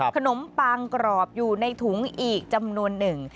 ขนมปางกรอบอยู่ในถุงอีกจำนวนหนึ่ง